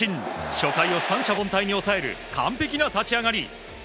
初回を三者凡退に抑える完璧な立ち上がり。